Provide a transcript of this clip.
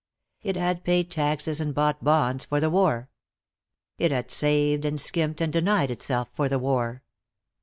It had paid taxes and bought bonds, for the war. It had saved and skimped and denied itself, for the war.